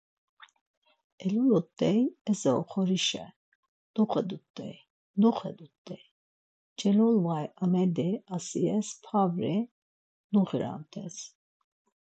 Elulut̆ey Eze oxorişe, doxedut̆ey, doxedut̆ey, celolvay Amedi Asiyes pavri nuxiramt̆es.